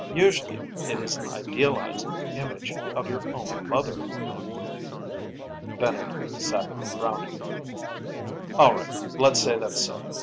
Usually, it is an idealized image of your own mother." Bennett sat frowning. "All right, let's say that's so.